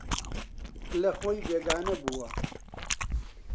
لەخۆی بێگانە بووە